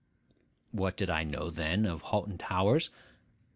What did I know then of Hoghton Towers?